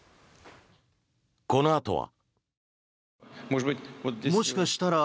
このあとは。